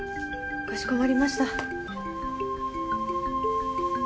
かしこまりました。